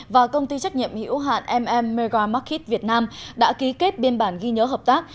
và công ty trách nhiệm hiểu hạn mega market việt nam đã ký kết biên bản ghi nhớ hợp tác